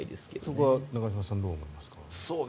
そこは中島さん、どう思いますか？